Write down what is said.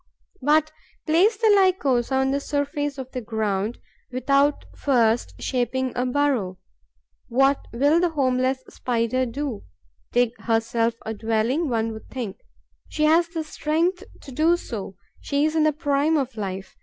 But place the Lycosa on the surface of the ground, without first shaping a burrow. What will the homeless Spider do? Dig herself a dwelling, one would think. She has the strength to do so; she is in the prime of life.